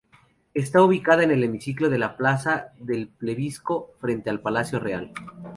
Está ubicada en el hemiciclo de Plaza del Plebiscito, frente al Palacio Real.